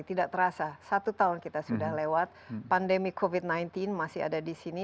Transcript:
tidak terasa satu tahun kita sudah lewat pandemi covid sembilan belas masih ada di sini